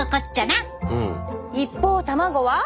一方卵は。